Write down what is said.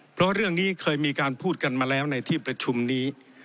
เพราะเรื่องนี้เคยมีการพูดกันมาแล้วในที่ประชุมนี้